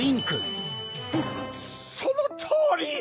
うむそのとおり！